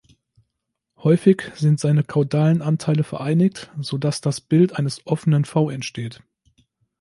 Häufig sind seine kaudalen Anteile vereinigt, so dass das Bild eines „offenen V“ entsteht.